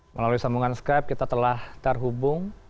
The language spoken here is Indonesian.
melalui sambungan skype kita telah terhubung